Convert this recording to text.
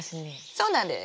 そうなんです。